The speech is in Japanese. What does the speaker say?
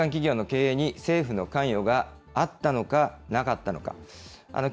民間企業の経営に政府の関与があったのかなかったのか。